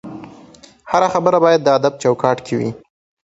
هره خبره باید د ادب چوکاټ کې وي